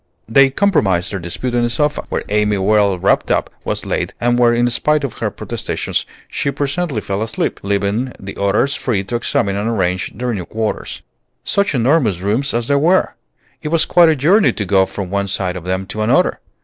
They compromised their dispute on a sofa, where Amy, well wrapped up, was laid, and where, in spite of her protestations, she presently fell asleep, leaving the others free to examine and arrange their new quarters. Such enormous rooms as they were! It was quite a journey to go from one side of them to another.